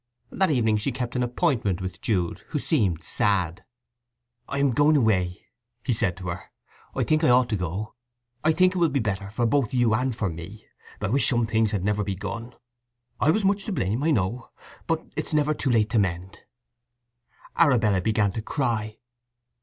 That evening she kept an appointment with Jude, who seemed sad. "I am going away," he said to her. "I think I ought to go. I think it will be better both for you and for me. I wish some things had never begun! I was much to blame, I know. But it is never too late to mend." Arabella began to cry.